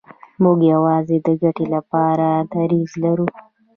موږ یوازې د ګټې لپاره دریځ لرو.